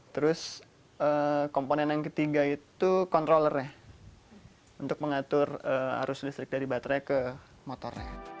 terus komponen yang ketiga itu controllernya untuk mengatur arus listrik dari baterai ke motornya